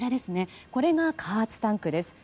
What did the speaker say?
これが加圧タンクです。